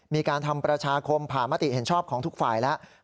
มีการทำประชาคมผ่ามติเห็นชอบของทุกฝ่ายแล้ว